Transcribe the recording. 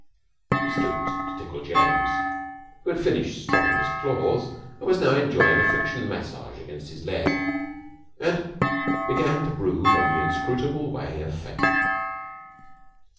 He stooped to tickle James, who had finished stropping his claws and was now enjoying a friction massage against his leg, and began to brood on the inscrutable way of Fate.